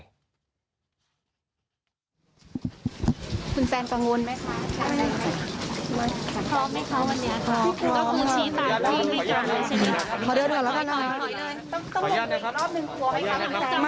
คุณแซนกังวลไหมคะ